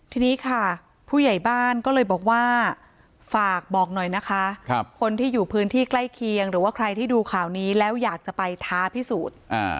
ทีนี้ค่ะผู้ใหญ่บ้านก็เลยบอกว่าฝากบอกหน่อยนะคะคนที่อยู่พื้นที่ใกล้เคียงหรือว่าใครที่ดูข่าวนี้แล้วอยากจะไปท้าพิสูจน์